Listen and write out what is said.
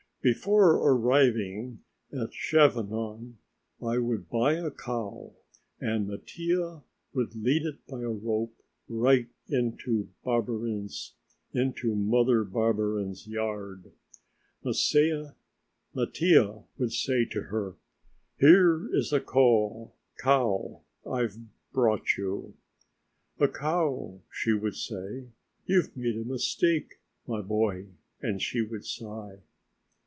Before arriving at Chavanon I would buy a cow and Mattia would lead it by a rope, right into Mother Barberin's yard. Mattia would say to her: "Here is a cow I've brought you." "A cow!" she would say; "you've made a mistake, my boy," and she would sigh.